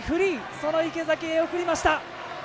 その池崎へ送りました。